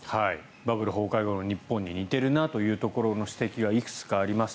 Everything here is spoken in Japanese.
バブル崩壊後の日本に似てるなというところの指摘がいくつかあります。